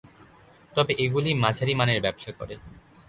তবে এ গুলি মাঝারি মানের ব্যবসা করে।